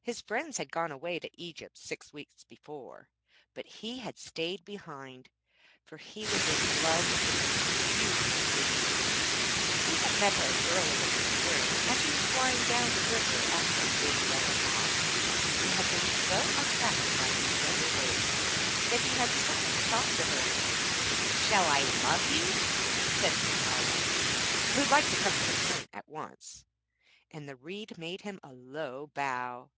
His friends had gone away to Egypt six weeks before, but he had stayed behind, for he was in love with the most beautiful Reed. He had met her early in the spring as he was flying down the river after a big yellow moth, and had been so attracted by her slender waist that he had stopped to talk to her. 'Shall I love you said the Swallow', who liked to come to the point at once, and the Reed made him a low bow.